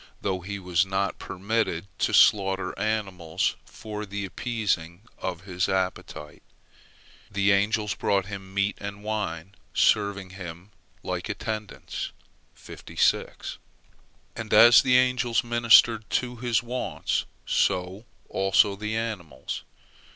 Though he was not permitted to slaughter animals for the appeasing of his appetite, the angels brought him meat and wine, serving him like attendants. And as the angels ministered to his wants, so also the animals.